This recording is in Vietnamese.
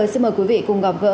xin mời quý vị cùng gặp gỡ